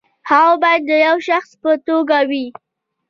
هغه باید د یوه شخص په توګه وي.